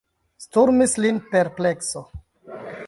Sturmis lin perplekso.